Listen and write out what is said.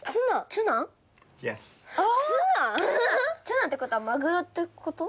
ツナってことはマグロってこと？